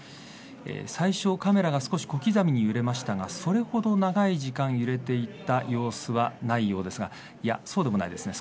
最初、カメラが小刻みに揺れましたがそれほど長い時間揺れていた様子はないようですがそうでもないですね。